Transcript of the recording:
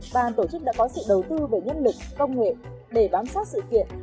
bàn tổ chức đã có sự đầu tư về nhân lực công nghệ để bám sát sự kiện